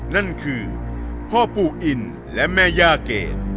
นั่นคือพ่อปู่อินและแม่ย่าเกรด